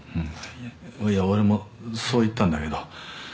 いや俺もそう言ったんだけど。